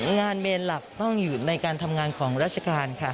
งานเมนหลักต้องอยู่ในการทำงานของราชการค่ะ